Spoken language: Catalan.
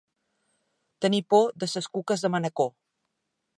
Tenir por de ses cuques de Manacor.